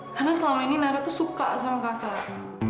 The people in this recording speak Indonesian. karena selama ini nara tuh suka sama kakak